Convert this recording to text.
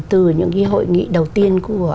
từ những cái hội nghị đầu tiên của